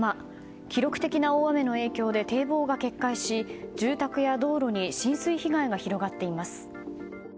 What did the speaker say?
記録的な大雨の影響で堤防が決壊し住宅や道路に浸水被害が広がっています。